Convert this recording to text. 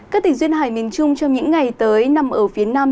các tỉnh duyên hải miền trung trong những ngày tới nằm ở phía nam